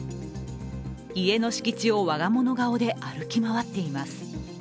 家の敷地を我が物顔で歩き回っています。